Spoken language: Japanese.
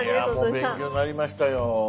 いやもう勉強になりましたよ。